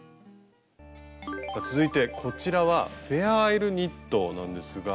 さあ続いてこちらはフェアアイルニットなんですが。